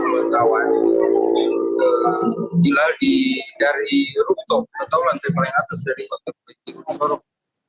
wartawan hilal dari rooftop atau lantai paling atas dari kota sorong